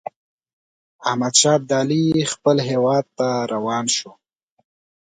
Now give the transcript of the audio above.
احمدشاه ابدالي خپل هیواد ته روان شو.